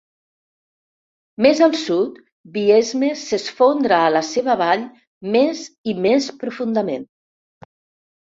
Més al sud, Biesme s'esfondra a la seva vall més i més profundament.